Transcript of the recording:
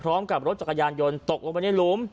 พร้อมกับรถจักรยานยนต์ตกลงไปในหลุม